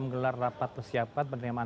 menggelar rapat persiapan penerimaan